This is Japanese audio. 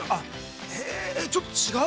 ちょっと違う？